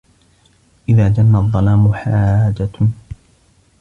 إذَا جَنَّ الظَّلَامُ حَاجَةٌ